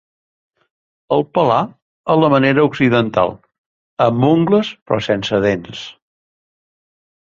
El pelà a la manera occidental, amb ungles però sense dents.